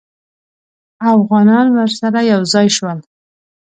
اوغانان ورسره یو ځای شول.